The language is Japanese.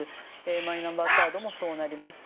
マイナンバーカードもそうなりました。